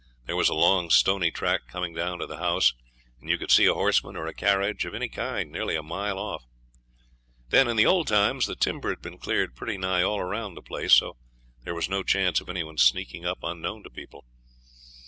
There was a long stony track coming down to the house, and you could see a horseman or a carriage of any kind nearly a mile off. Then, in the old times, the timber had been cleared pretty nigh all round the place, so there was no chance of any one sneaking up unknown to people.